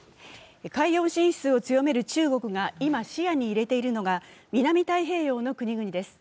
海洋進出を強める中国が今、視野に入れているのが南太平洋の国々です。